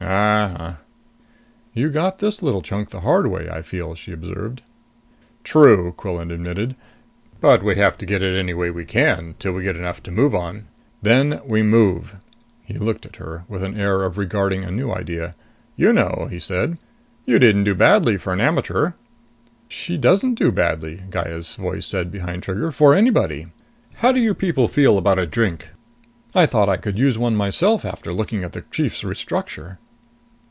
"Uh huh." "You got this little chunk the hard way, I feel," she observed. "True," Quillan admitted, "But we have to get it any way we can till we get enough to move on. Then we move." He looked at her, with an air of regarding a new idea. "You know," he said, "you don't do badly for an amateur!" "She doesn't do badly," Gaya's voice said behind Trigger, "for anybody. How do you people feel about a drink? I thought I could use one myself after looking at the chief's restructure."